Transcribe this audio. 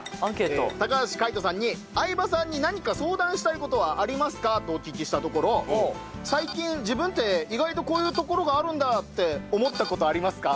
橋海人さんに「相葉さんに何か相談したい事はありますか？」とお聞きしたところ「最近自分って意外とこういうところがあるんだって思った事ありますか？」